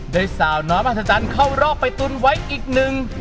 ได้สาวน้อยมหัศจรรย์เข้ารอบไปตุนไว้อีกหนึ่ง